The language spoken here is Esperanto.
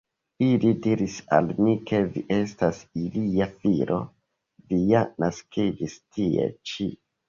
Ili diris al mi, ke vi estas ilia filo, vi ja naskiĝis tie ĉi.